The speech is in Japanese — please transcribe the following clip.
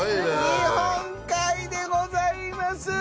日本海でございます。